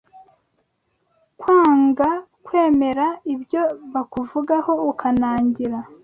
Kwanga kwemera ibyo bakuvugaho ukanangira